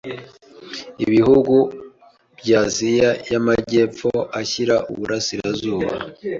Ibihugu by’Aziya y’amajyepfo ashyira iburasirazuba